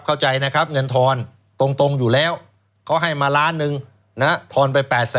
เข้าใจนะครับเงินทอนตรงอยู่แล้วเขาให้มาล้านหนึ่งนะฮะทอนไป๘๐๐๐